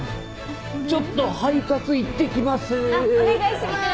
ちょっと配達行って来ます。